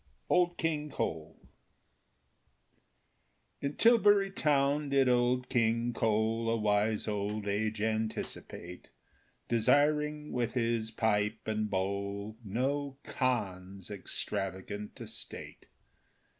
Old King Cole In Tilbury Town did Old King Cole A wise old age anticipate, Desiring, with his pipe and bowl, No Khan's extravagant estate.